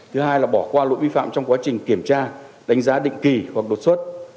thứ hai là bỏ qua lỗi vi phạm trong quá trình kiểm tra đánh giá định kỳ hoặc đột xuất